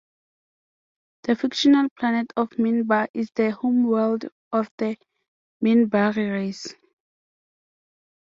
The fictional planet of Minbar is the homeworld of the Minbari race.